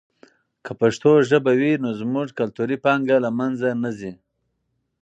که پښتو ژبه وي نو زموږ کلتوري پانګه نه له منځه ځي.